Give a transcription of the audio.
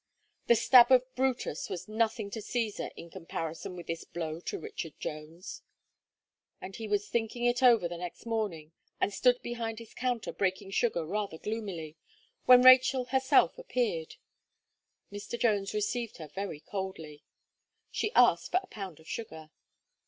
The stab of Brutus was nothing to Caesar in comparison with this blow to Richard Jones. And he was thinking it over the next morning, and stood behind his counter breaking sugar rather gloomily, when Rachel herself appeared. Mr. Jones received her very coldly. She asked for a pound of sugar.